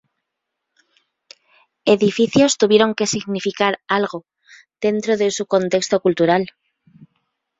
Edificios tuvieron que significar algo dentro de su contexto cultural.